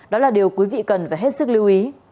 đó là điều quý vị cần phải hết sức lưu ý